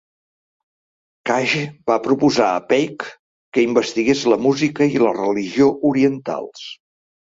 Cage va proposar a Paik que investigués la música i la religió orientals.